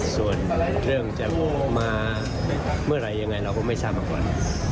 ส่วนเรื่องจะมาเมื่อไหร่ยังไงเราก็ไม่ทราบมาก่อน